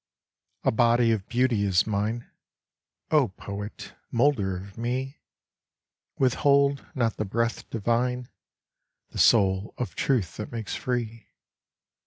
_) A body of beauty is mine. O poet, moulder of me, Withhold not the breath divine, The soul of truth that makes free.